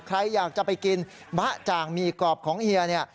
ใครอยากจะไปกินบะจ่างหมี่กรอบของเฮียเนี่ย